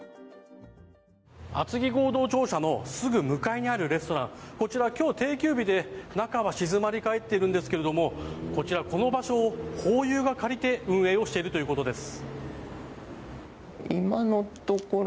厚木合同庁舎のすぐ向かいにあるレストランこちら、今日定休日で中は静まり返っているんですがこちら、この場所をホーユーが借りて運営をしているということです。